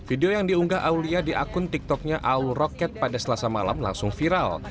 video yang diunggah aulia di akun tiktoknya aul roket pada selasa malam langsung viral